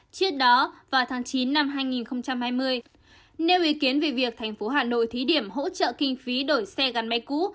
trước đó vào tháng chín năm hai nghìn hai mươi nêu ý kiến về việc thành phố hà nội thí điểm hỗ trợ kinh phí đổi xe gắn máy cũ